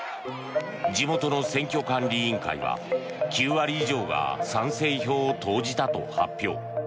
地元の選挙管理委員会は９割以上が賛成票を投じたと発表。